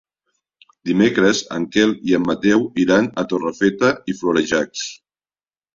Dimecres en Quel i en Mateu iran a Torrefeta i Florejacs.